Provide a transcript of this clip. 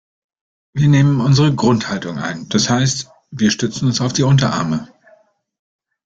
Wir nehmen unsere Grundhaltung ein, das heißt wir stützen uns auf die Unterarme.